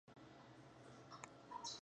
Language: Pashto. خصوصي سکتور باید وده وکړي.